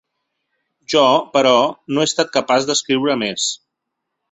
Jo, però, no he estat capaç d’escriure més.